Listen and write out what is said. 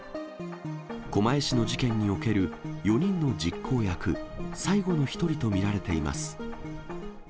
狛江市の事件における４人の実行役最後の１人と見られています。